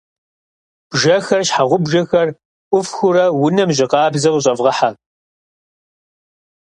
Бжэхэр, щхьэгъубжэхэр ӏуфхыурэ унэм жьы къабзэ къыщӀэвгъэхьэ.